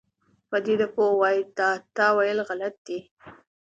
پدیده پوه وایي دا تاویل غلط دی.